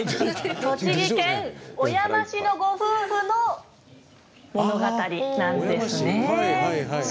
栃木県小山市のご夫婦の物語なんですよね。